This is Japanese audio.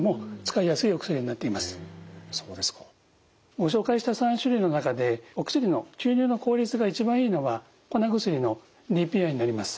ご紹介した３種類の中でお薬の吸入の効率が一番いいのは粉薬のＤＰＩになります。